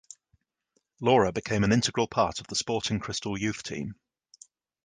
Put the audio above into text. Lora became an integral part of the Sporting Cristal youth team.